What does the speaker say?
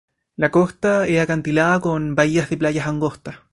La costa es acantilada, con bahías de playas angostas.